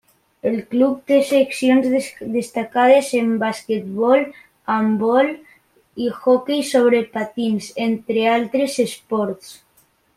El club té seccions destacades en basquetbol, handbol i hoquei sobre patins entre altres esports.